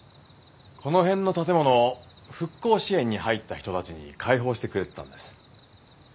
この辺の建物を復興支援に入った人たちに開放してくれてたんです。